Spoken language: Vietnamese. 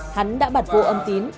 hắn đã bật vô âm tín